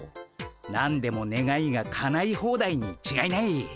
何でも願いがかないホーダイに違いない。